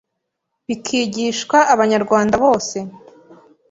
bikigishwa Abanyarwanda bose,